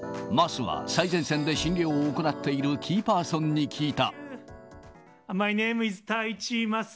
桝は最前線で診療を行っているキーパーソンに聞いた。